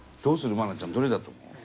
愛菜ちゃん。どれだと思う？